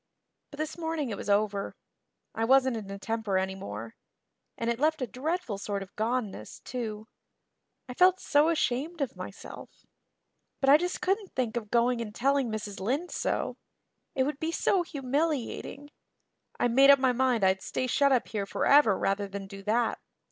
But this morning it was over. I wasn't in a temper anymore and it left a dreadful sort of goneness, too. I felt so ashamed of myself. But I just couldn't think of going and telling Mrs. Lynde so. It would be so humiliating. I made up my mind I'd stay shut up here forever rather than do that.